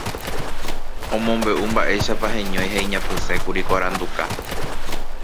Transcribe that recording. Omombe'u mba'éichapa heñói ha iñapysẽkuri ko aranduka.